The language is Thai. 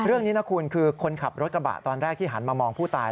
เรื่องนี้นะคุณคือคนขับรถกระบะตอนแรกที่หันมามองผู้ตาย